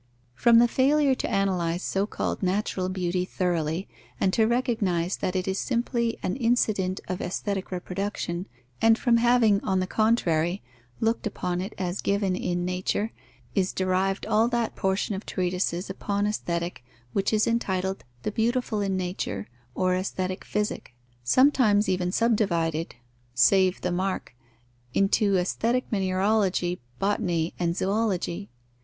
_ From the failure to analyze so called natural beauty thoroughly, and to recognize that it is simply an incident of aesthetic reproduction, and from having, on the contrary, looked upon it as given in nature, is derived all that portion of treatises upon Aesthetic which is entitled The Beautiful in Nature or Aesthetic Physic; sometimes even subdivided, save the mark! into Aesthetic Mineralogy, Botany, and Zoology.